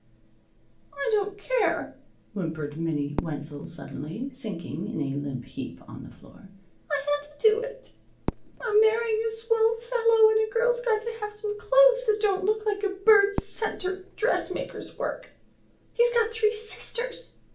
"I don't care," whimpered Minnie Wenzel suddenly, sinking in a limp heap on the floor. "I had to do it. I'm marrying a swell fellow and a girl's got to have some clothes that don't look like a Bird Center dressmaker's work. He's got three sisters.